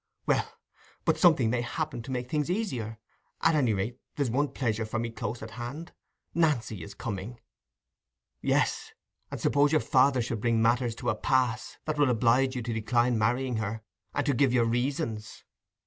"Well, but something may happen to make things easier. At any rate, there's one pleasure for me close at hand: Nancy is coming." "Yes, and suppose your father should bring matters to a pass that will oblige you to decline marrying her—and to give your reasons?"